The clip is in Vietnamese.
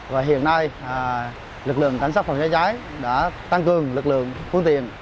và hiện nay lực lượng cảnh sát phòng cháy cháy đã tăng cường lực lượng phương tiện